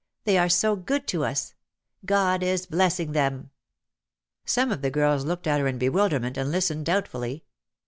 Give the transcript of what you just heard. They are so good to us ! God is blessing them !" Some of the girls looked at her in bewilderment and listened doubtfully.